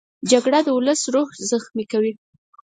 جګړه د ولس روح زخمي کوي